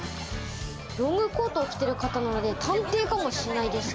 ロングコートを着てる方なので探偵かもしれないですね。